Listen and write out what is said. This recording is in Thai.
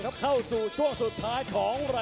กันต่อแพทย์จินดอร์